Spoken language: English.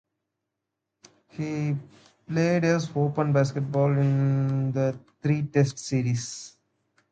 He played as opening batsman in the three-Test series.